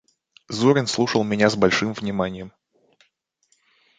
Зурин слушал меня с большим вниманием.